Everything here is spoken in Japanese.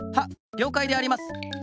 りょうかいであります。